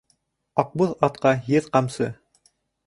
Аҡбуҙ атҡа еҙ ҡамсы.